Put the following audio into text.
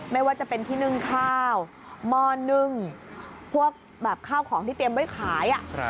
ไม่ว่าจะเป็นที่นึ่งข้าวหม้อนึ่งพวกแบบข้าวของที่เตรียมไว้ขาย